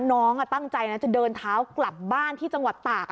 น้องตั้งใจนะจะเดินเท้ากลับบ้านที่จังหวัดตาก